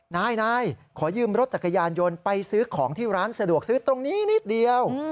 นายขอยืมรถจักรยานยนต์ไปซื้อของที่ร้านสะดวกซื้อตรงนี้นิดเดียว